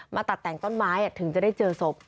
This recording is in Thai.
ตัดแต่งต้นไม้ถึงจะได้เจอศพ